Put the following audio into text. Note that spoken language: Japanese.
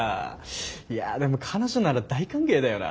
いやでも彼女なら大歓迎だよな。